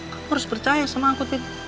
kamu harus percaya sama aku